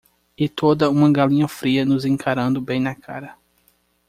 E toda uma galinha fria nos encarando bem na cara.